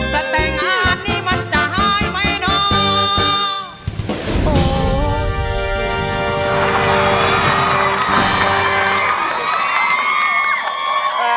ถ้าแต่งงานนี่มันจะหายไหมเนอะ